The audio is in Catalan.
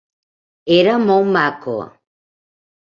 Era molt maco.